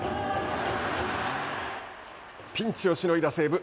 ピンチをしのいだ西武。